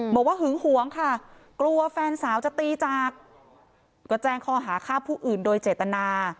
หึงหวงค่ะกลัวแฟนสาวจะตีจากก็แจ้งข้อหาฆ่าผู้อื่นโดยเจตนา